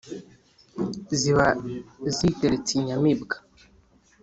ziba ziteretse inyamibwa